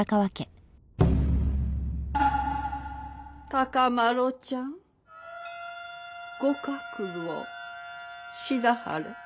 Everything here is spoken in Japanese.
孝麿ちゃんご覚悟しなはれ。